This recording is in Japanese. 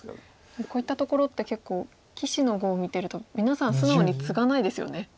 こういったところって結構棋士の碁を見てると皆さん素直にツガないですよね。